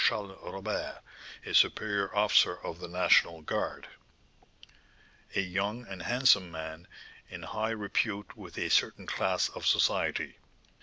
Charles Robert, a superior officer of the National Guard, a young and handsome man, in high repute with a certain class of society.